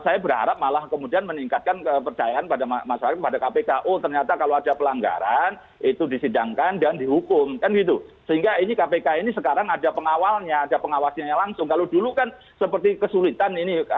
tapi dengan sanksi ringan ini menurunkan kepercayaan masyarakat tidak